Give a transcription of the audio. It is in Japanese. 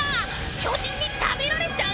巨人に食べられちゃう！